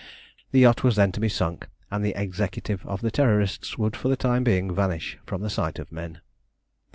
The yacht was then to be sunk, and the Executive of the Terrorists would for the time being vanish from the sight of men.